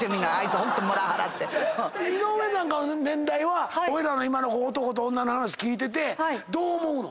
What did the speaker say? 井上なんかの年代はおいらの今の男と女の話聞いててどう思うの？